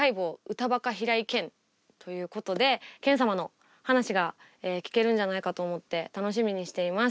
歌バカ平井堅」ということで堅様の話が聞けるんじゃないかと思って楽しみにしています。